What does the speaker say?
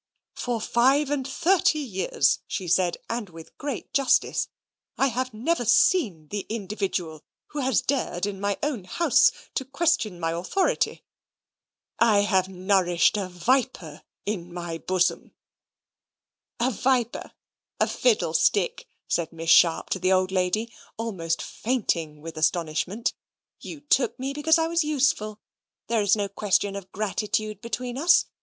"For five and thirty years," she said, and with great justice, "I never have seen the individual who has dared in my own house to question my authority. I have nourished a viper in my bosom." "A viper a fiddlestick," said Miss Sharp to the old lady, almost fainting with astonishment. "You took me because I was useful. There is no question of gratitude between us.